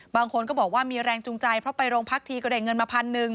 บางคนก็บอกว่ามีแรงจูงใจเพราะไปโรงพักทีก็ได้เงินมาพันหนึ่ง